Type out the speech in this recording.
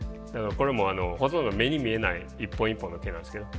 これもほとんど目に見えない一本一本の毛なんですけど。